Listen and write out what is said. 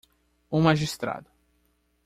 Um magistrado